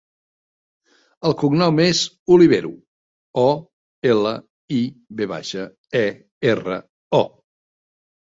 El cognom és Olivero: o, ela, i, ve baixa, e, erra, o.